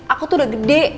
aku tuh udah gede